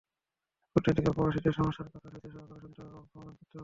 কূটনীতিকদের প্রবাসীদের সমস্যার কথা ধৈর্যসহকারে শুনতে হবে এবং সমাধান করতে হবে।